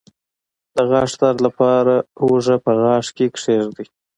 د غاښ درد لپاره هوږه په غاښ کیږدئ